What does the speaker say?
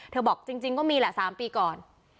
บอกจริงก็มีแหละ๓ปีก่อน